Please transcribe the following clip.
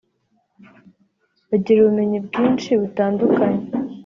bagira ubumenyi bwinshi butandukanye